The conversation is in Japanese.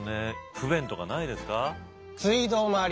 不便とかないですか？